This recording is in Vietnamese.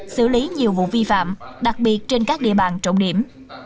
xử lý nhiều vụ vi phạm đặc biệt trên các địa bàn trọng điểm